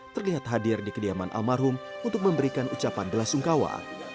terlihat hadir di kediaman almarhum untuk memberikan ucapan belasungkawa